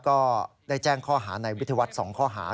ก็ได้แจ้งข้อหาในวิทยาวัฒน์๒ข้อหา